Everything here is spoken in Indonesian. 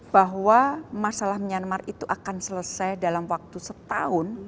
bahwa masalah myanmar itu akan selesai dalam waktu setahun